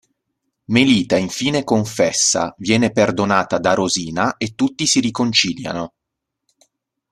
Melita infine confessa, viene perdonata da Rosina e tutti si riconciliano.